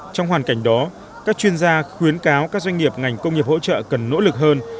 trong hoàn cảnh đó các chuyên gia khuyến cáo các doanh nghiệp ngành công nghiệp hỗ trợ cần nỗ lực hơn